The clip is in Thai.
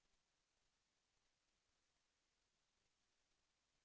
แสวได้ไงของเราก็เชียนนักอยู่ค่ะเป็นผู้ร่วมงานที่ดีมาก